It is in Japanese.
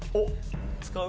使う？